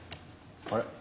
あれ？